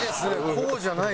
こうじゃない。